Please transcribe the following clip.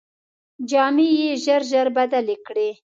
جامې یې ژر ژر بدلې کړې.